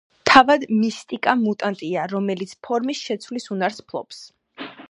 თავად მისტიკა მუტანტია, რომელიც ფორმის შეცვლის უნარს ფლობს.